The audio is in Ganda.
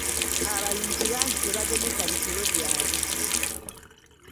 Abalunzi bangi tebagemesa bisolo byabwe.